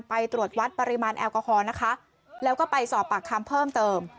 ไปตรวจวัดปริมาณแอลกอฮอล์นะคะแล้วก็ไปสอบปากคำเพิ่มเติม